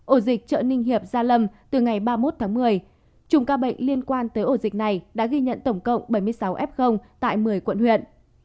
ổ dịch chợ ninh hiệp gia lâm từ ngày ba mươi một tháng một mươi trùng ca bệnh liên quan tới ổ dịch này đã ghi nhận tổng cộng bảy mươi sáu f tại một mươi quận huyện